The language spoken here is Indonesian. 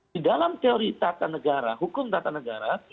di dalam teori tata negara hukum tata negara